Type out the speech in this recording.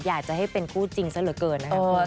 อยากจะให้เป็นคู่จริงซะเหลือเกินนะครับ